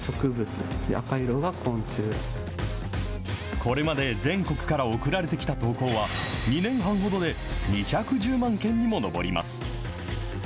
これまで全国から送られてきた投稿は、２年半ほどで２１０万件にも上ります。